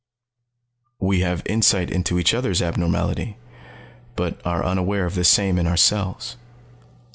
"We have insight into each other's abnormality, but are unaware of the same in ourselves."